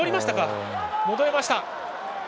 戻りました。